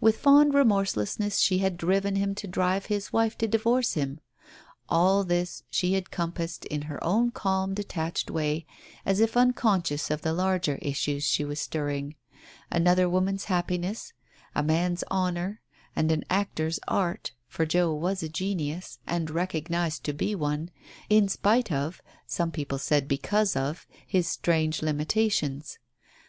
With fond remorselessness she had driven him to drive his wife to divorce him. All this she had com passed in her own calm detached way, as if unconscious of the larger issues she was stirring — another woman's happiness, a man's honour, and an actor's art, for Joe was a genius, and recognized to be one, in spite of, some people said because of, his strange limitations.